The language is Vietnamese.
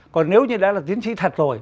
còn nếu như đã là tiến sĩ thật rồi